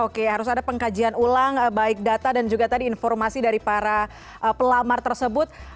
oke harus ada pengkajian ulang baik data dan juga tadi informasi dari para pelamar tersebut